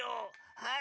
はい。